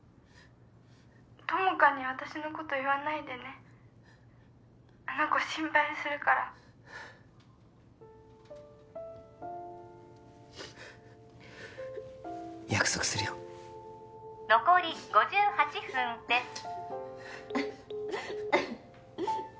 友果に私のこと言わないでねあの子心配するから約束するよ残り５８分です